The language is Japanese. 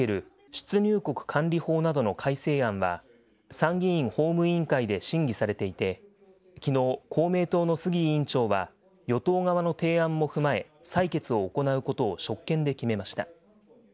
出入国管理法などの改正案は、参議院法務委員会で審議されていて、きのう公明党の杉委員長は、与党側の提案も踏まえ、採決を行うことを職権で決めました。